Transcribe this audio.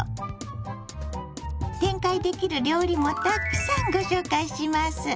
展開できる料理もたくさんご紹介します。